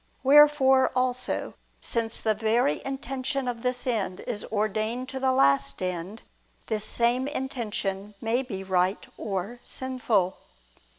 Wherefore also, since the very intention of this end is ordained to the last end, this same intention may be right or sinful.